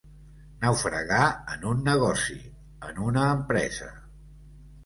Naufragar en un negoci, en una empresa.